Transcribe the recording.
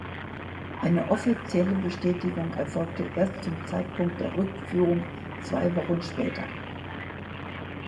Eine offizielle Bestätigung erfolgte erst zum Zeitpunkt der Rückführung zwei Wochen später.